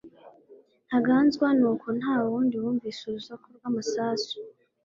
Ntangazwa nuko ntawundi wumvise urusaku rw'amasasu